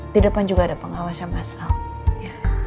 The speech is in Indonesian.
di depan juga ada pengawas yang masalah